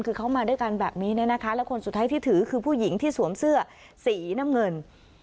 คือเขามาด้วยกันแบบนี้เนี่ยนะคะแล้วคนสุดท้ายที่ถือคือผู้หญิงที่สวมเสื้อสีน้ำเงิน